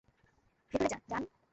ভিতরে যান, যান।